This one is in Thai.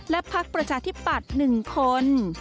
และพักประชาธิปัตย์๑คน